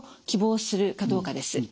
希望するかどうかです。